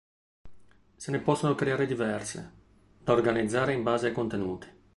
Se ne possono creare diverse, da organizzare in base ai contenuti.